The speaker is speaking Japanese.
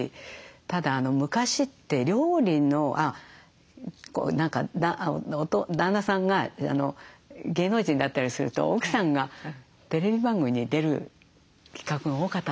ただ昔って料理の旦那さんが芸能人だったりすると奥さんがテレビ番組に出る企画が多かったんですよ昔。